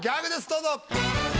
どうぞ。